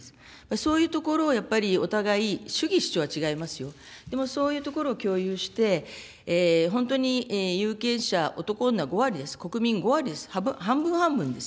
そういうところをやっぱりお互い、主義主張は違いますよ、でも、そういうところを共有して、本当に有権者、男・女５割です、国民５割です、半分半分です。